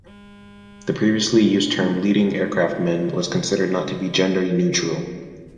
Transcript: The previously used term "leading aircraftman" was considered not to be gender neutral.